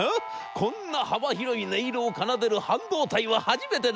こんな幅広い音色を奏でる半導体は初めてだ』。